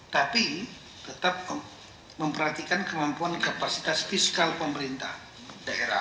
tapi tetap memperhatikan kemampuan kapasitas fiskal pemerintah daerah